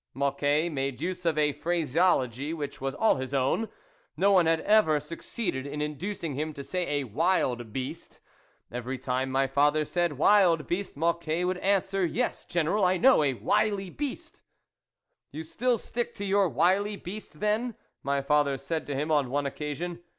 Mocquet made use of a phraseology which was all his own ; no one had ever succeeded in inducing him to say a wild beast; every time my father said wild beast, Mocquet would answer, " Yes, General, I know, a wily beast" "You still stick to your wily beast, then ?" my father said to him on one occasion.